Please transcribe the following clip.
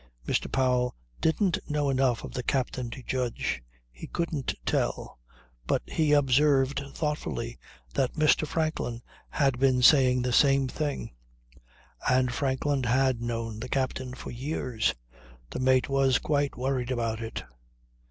Mr. Powell didn't know enough of the captain to judge. He couldn't tell. But he observed thoughtfully that Mr. Franklin had been saying the same thing. And Franklin had known the captain for years. The mate was quite worried about it.